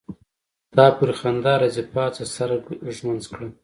تا پوری خندا راځي پاڅه سر ګمنځ کړه.